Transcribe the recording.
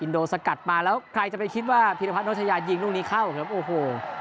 โดสกัดมาแล้วใครจะไปคิดว่าพิรพัชยายิงลูกนี้เข้าครับโอ้โห